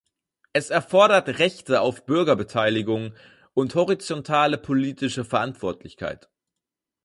Es erfordert Rechte auf Bürgerbeteiligung und horizontale politische Verantwortlichkeit.